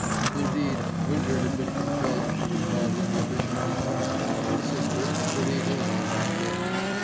Indeed, Winter had been compelled to recall his permission to Janoc and his sister to leave England that day.